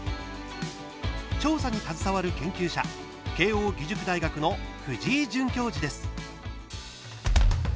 調査に携わる研究者慶應義塾大学の藤井准教授です。